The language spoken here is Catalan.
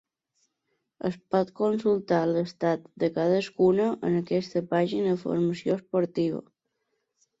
Es pot consultar l'estat de cadascuna en aquesta pàgina de formació esportiva.